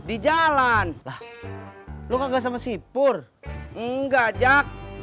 iya mbak sebentar